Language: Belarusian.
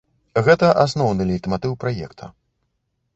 Гэта асноўны лейтматыў праекта.